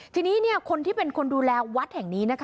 ทีนี้คนที่เป็นคนดูแลวัดแห่งนี้นะคะ